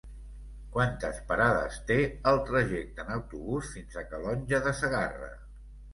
Quantes parades té el trajecte en autobús fins a Calonge de Segarra?